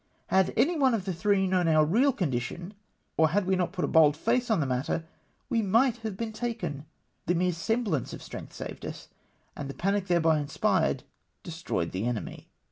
Had any one of the three known our real condition, or had we not put a bold face on the matter, we might have been taken. The mere semblance of strength saved us, and the panic thereby inspired destroyed the enemy.